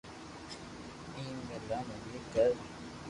ايم ڀللا متي ڪر